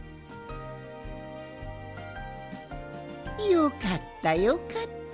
よかったよかった。